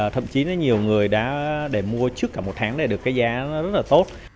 thậm chí là nhiều người đã để mua trước cả một tháng để được cái giá nó rất là tốt